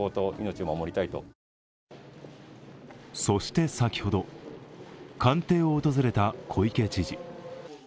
そして先ほど、官邸を訪れた小池知事。